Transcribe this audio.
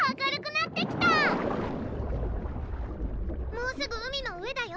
もうすぐ海の上だよ！